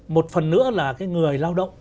một phần nữa là cái người lao động